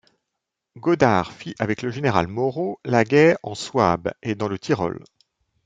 Godart fit avec le général Moreau la guerre en Souabe et dans le Tyrol.